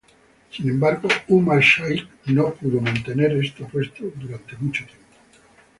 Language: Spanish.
Sin embargo, Umar Shaikh no pudo mantener este puesto por mucho tiempo.